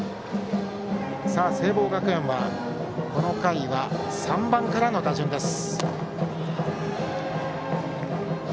聖望学園はこの回は３番からの打順です。